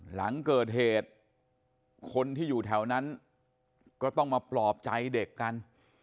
หลังเกิดเหตุคนที่อยู่แถวนั้นก็ต้องมาปลอบใจเด็กกัน